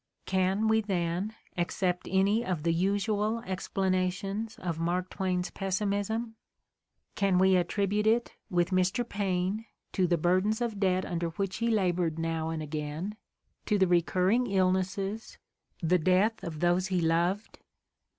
Can we, then, accept any of the usual explanations of Mark Twain 's pessimism ? P Can we attribute it, with Mr. Paine, to the burdens of debt under which he labored now and again, to the recurring illnesses, the death of 10 The Ordeal of Mark Twain those he loved?